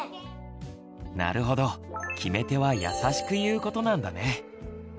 なるほど決め手は「優しく言う」ことなんだね。